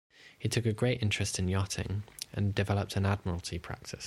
He took a great interest in yachting and developed an Admiralty practice.